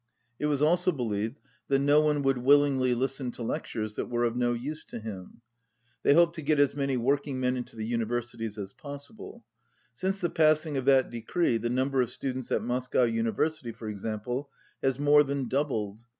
It was also believed that no one would willingly listen to lectures that were of no use to him. They hoped to get as many working men into the universities as possible. Since the passing of that decree the number of students at Moscow Uni versity, for example, has more than doubled.